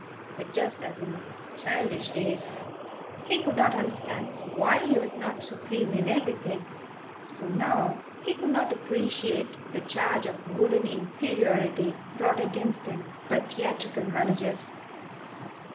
But just as in his childish days he could not understand why he was not supreme in everything, so now he could not appreciate the charge of wooden inferiority brought against him by theatrical managers.